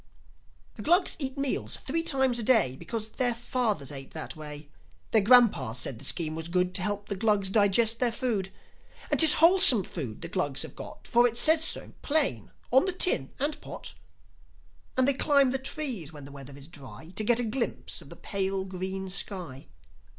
The Glugs eat meals three times a day Because their fathers ate that way. Their grandpas said the scheme was good To help the Glugs digest their food. And 'tis wholesome food the Glugs have got, For it says so plain on the tin and pot. And they climb the trees when the weather is dry To get a glimpse of the pale green sky.